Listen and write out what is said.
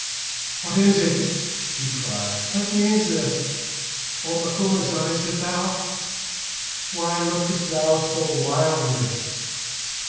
"Who is it?" she cries. "What means this? Oh, Macumazahn, is it thou? Why lookest thou so wildly?